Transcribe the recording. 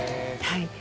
はい。